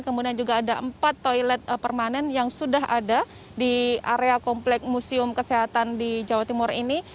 kemudian juga ada empat toilet permanen yang sudah ada di area komplek museum kesehatan di jawa timur ini